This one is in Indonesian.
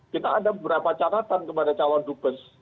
kita ada beberapa catatan kepada calon dubes